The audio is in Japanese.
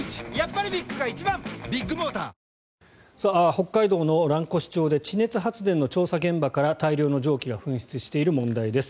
北海道の蘭越町で地熱発電の調査現場から大量の蒸気が噴出している問題です。